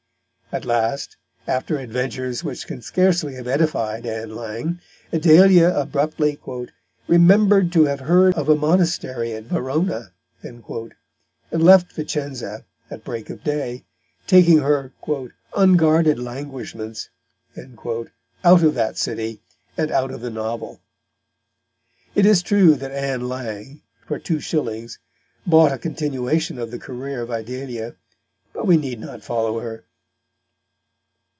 At last, after adventures which can scarcely have edified Ann Lang, Idalia abruptly "remember'd to have heard of a Monastery at Verona," and left Vicenza at break of day, taking her "unguarded languishments" out of that city and out of the novel. It is true that Ann Lang, for 2s., bought a continuation of the career of Idalia; but we need not follow her.